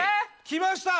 きました！